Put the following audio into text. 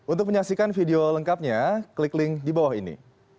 untuk menyaksikan video lengkapnya klik link di bawah ini